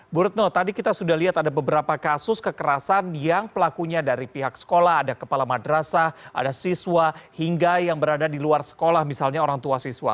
bu retno tadi kita sudah lihat ada beberapa kasus kekerasan yang pelakunya dari pihak sekolah ada kepala madrasah ada siswa hingga yang berada di luar sekolah misalnya orang tua siswa